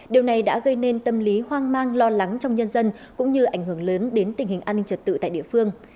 điều này đã gây nên tâm lý hoang mang lo lắng trong nhân dân cũng như ảnh hưởng lớn đến tình hình an ninh trật tự tại địa phương